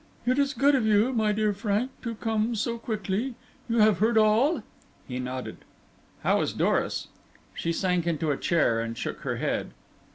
"It is good of you, my dear Frank, to come so quickly. You have heard all?" He nodded. "How is Doris?" She sank into a chair and shook her head.